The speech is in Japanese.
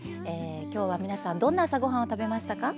きょうは皆さんどんな朝ごはんを食べましたか。